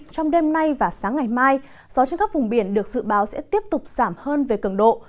trong đêm nay và sáng ngày mai gió trên các vùng biển được dự báo sẽ tiếp tục giảm hơn về cường độ